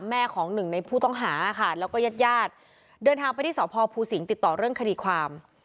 ของหนึ่งในผู้ต้องหาค่ะแล้วก็ญาติญาติเดินทางไปที่สพภูสิงศ์ติดต่อเรื่องคดีความ